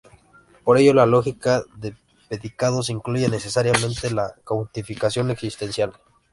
Por ello la lógica de predicados incluye necesariamente la cuantificación existencial.